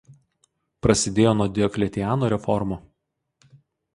Prasidėjo nuo Diokletiano reformų.